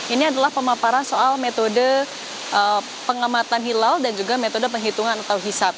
ini adalah pemaparan soal metode pengamatan hilal dan juga metode penghitungan atau hisap